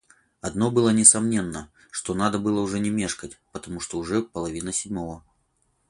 Одно было несомненно, что надо было не мешкать, потому что уже половина седьмого.